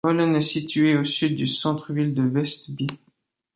Hølen est situé à au sud du centre-ville de Vestby.